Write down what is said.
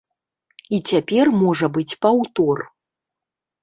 І цяпер можа быць паўтор.